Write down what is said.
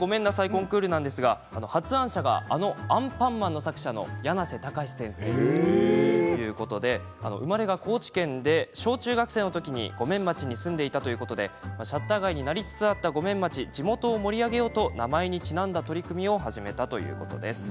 コンクールなんですが発案者があの「アンパンマン」の作者のやなせたかし先生っていうことで生まれが高知県で小中学生の時に後免町に住んでいたということでシャッター街になりつつあった後免町地元を盛り上げようと名前にちなんだ取り組みを始めたそうです。